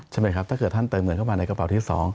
ใช่ไหมครับถ้าเกิดท่านเติมเงินเข้ามาในกระเป๋าที่๒